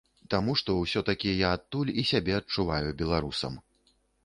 Таму што ўсё-такі я адтуль і сябе адчуваю беларусам.